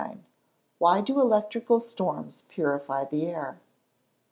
_Why do electric storms purify the air?